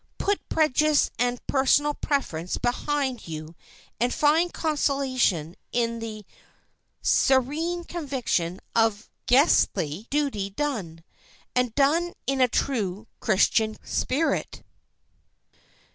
Put prejudice and personal preference behind you and find consolation in the serene conviction of guestly duty done—and done in a truly Christian spirit.